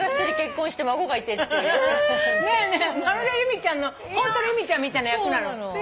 まるで由美ちゃんのホントの由美ちゃんみたいな役なの。